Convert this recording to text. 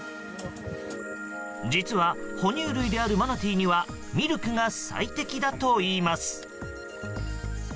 実は、ほ乳類であるマナティーにはミルクが最適だといいます。